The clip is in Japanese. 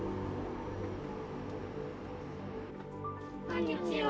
こんにちは。